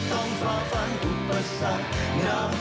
ทางหลังก็ผ่านผมไป